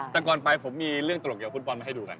แต่ก่อนไปผมมีเรื่องตลอดเกี่ยวคุณปลอล์นมาให้ดูกัน